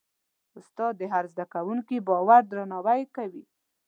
استاد د هر زده کوونکي باور درناوی کوي.